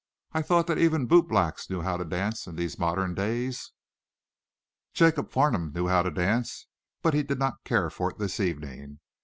I thought even the bootblacks knew how to dance in these modern days!" Jacob Farnum knew how to dance, but did not care for it this evening.